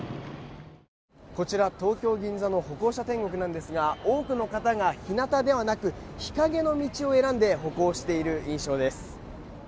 こちら、東京・銀座の歩行者天国なんですが多くの方が日なたではなく日陰の道を選んで歩行している印象です。